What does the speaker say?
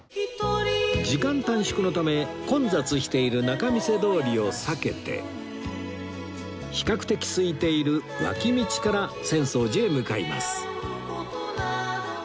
時間短縮のため混雑している仲見世通りを避けて比較的すいている脇道から浅草寺へ向かいます